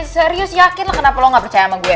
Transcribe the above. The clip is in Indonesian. serius yakin lah kenapa lo gak percaya sama gue